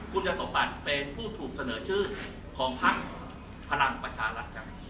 คุณกษมติเป็นผู้ถูกเสนอชื่อของภักดิ์พลังประชาลักษณะ